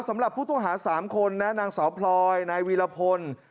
สำหรับผู้ต้องหา๓คนนะนางสาวพลอยนายวีรพล